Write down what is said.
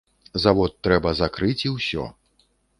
Завод трэба закрыць і ўсё.